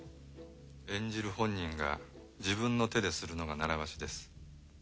演じる本人が自分の手でするのがならわしです。